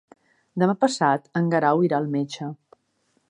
Demà passat en Guerau irà al metge.